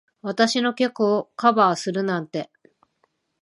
私の曲をカバーするなんて。